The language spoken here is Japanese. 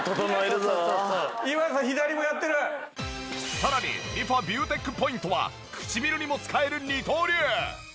さらにリファビューテックポイントは唇にも使える二刀流！